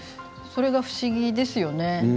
それが不思議ですよね。